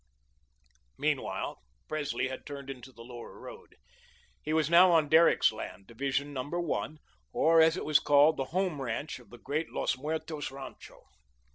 Meanwhile Presley had turned into the Lower Road. He was now on Derrick's land, division No. I, or, as it was called, the Home ranch, of the great Los Muertos Rancho.